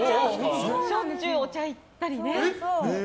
しょっちゅうお茶に行ったりね。